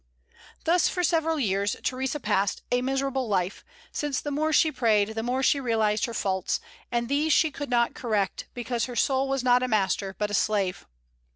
Thus for several years Theresa passed a miserable life, since the more she prayed the more she realized her faults; and these she could not correct, because her soul was not a master, but a slave.